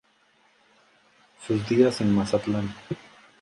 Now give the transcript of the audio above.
Sus días en Mazatlán.